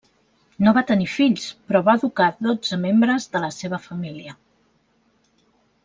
No va tenir fills, però va educar dotze membres de la seva família.